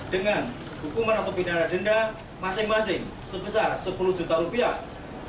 dengan hukuman atau pidana denda masing masing sebesar sepuluh juta rupiah